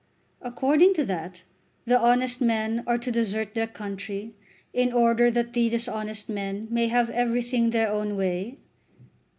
"According to that the honest men are to desert their country in order that the dishonest men may have everything their own way."